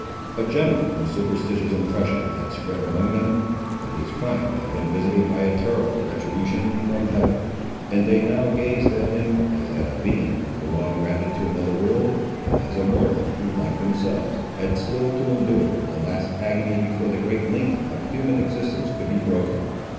A general and superstitious impression had spread among them, that his crime had been visited by a terrible retribution from Heaven; and they now gazed at him, as at a being who belonged rather to another world, than as a mortal, who, like themselves, had still to endure the last agony before the great link of human existence could be broken.